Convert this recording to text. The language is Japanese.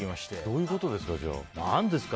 どういうことですか？